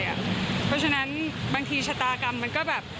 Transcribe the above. เพราะฉะนั้นบางทีชะตากรรมมันก็แบบ